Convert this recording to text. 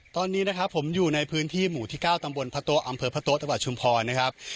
ตอนนี้นะครับผมอยู่ในพื้นที่หมู่ที่๙ตำบลพระโต๊ะอำเภอพระโต๊ะจังหวัดชุมพรนะครับ